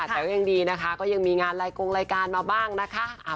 แต่ก็ยังดีนะคะก็ยังมีงานรายกงรายการมาบ้างนะคะ